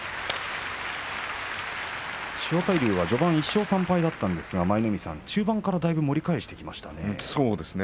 千代大龍は序盤１勝３敗だったんですが舞の海さん中盤から盛り返してきましたね。